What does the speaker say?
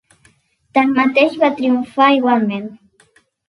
Tanmateix va triomfar igualment.